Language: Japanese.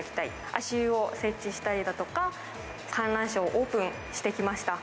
足湯を設置したりだとか、観覧車をオープンしてきました。